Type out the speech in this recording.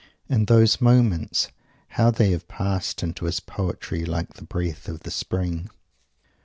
And those moments, how they have passed into his poetry like the breath of the Spring!